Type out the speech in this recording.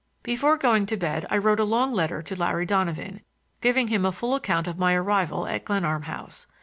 Before going to bed I wrote a long letter to Larry Donovan, giving him a full account of my arrival at Glenarm House.